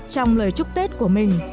trong lời chúc tết của mình